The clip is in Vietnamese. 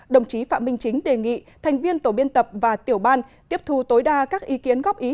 đồng chí phạm minh chính đề nghị thành viên tổ biên tập và tiểu ban tiếp thu tối đa các ý kiến góp ý